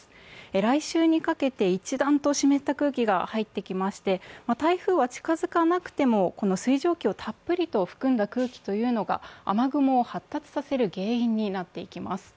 来週にかけて一段と湿った空気が入ってきまして台風は近づかなくても台風の湿った空気をたっぷり含んだ空気というのが雨雲を発達させる原因になっていきます。